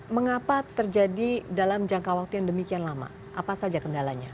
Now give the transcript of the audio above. mengapa terjadi dalam jangka waktu yang demikian lama apa saja kendalanya